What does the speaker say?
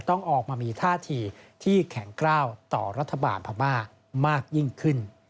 ต้องออกมามีท่าทีที่แข็งกล้าวต่อรัฐบาลพม่ามากยิ่งขึ้น